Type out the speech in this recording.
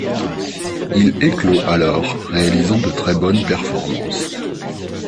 Il éclot alors, réalisant de très bonnes performances.